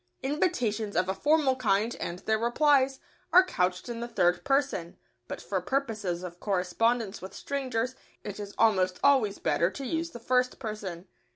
Invitations of a formal kind, and their replies, are couched in the third person, but for purposes of correspondence with strangers it is almost always better to use the first person.